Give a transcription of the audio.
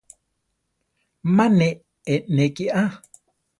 Ma ne eʼnéki a.